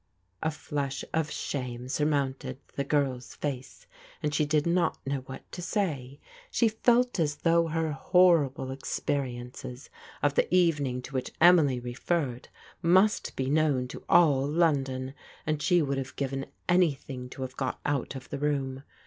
A flush of shame surmounted the girl's face, and she did not know what to say. She felt as though her hor rible experiences of the evening to which Emily referred must be known to all London, and she would have given anything to have got out of the room.